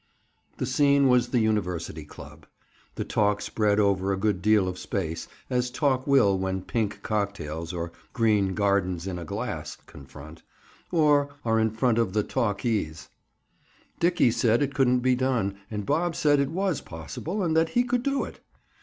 The scene was the University Club. The talk spread over a good deal of space, as talk will when pink cocktails, or "green gardens in a glass" confront, or are in front of, the talkees. Dickie said it couldn't be done and Bob said it was possible and that he could do it.